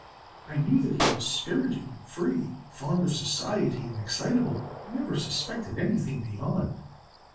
"I knew that he was spirited and free, fond of society, and excitable; but never suspected any thing beyond."